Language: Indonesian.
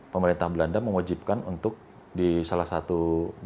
pemerintah belanda mewajibkan untuk di salah satu